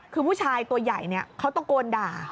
คือผู้ชายตัวใหญ่เขาตะโกนด่า